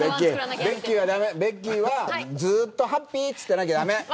ベッキーはずっとハッピーって言ってないと駄目。